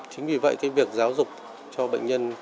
chính vì vậy việc giáo dục cho bệnh nhân